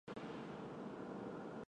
育有一子一女。